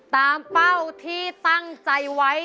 เป้าที่ตั้งใจไว้